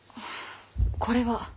これは？